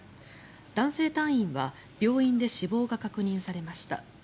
男性隊員は病院で死亡が確認されました。